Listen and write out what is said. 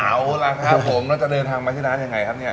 เอาล่ะครับผมแล้วจะเดินทางมาที่ร้านยังไงครับเนี่ย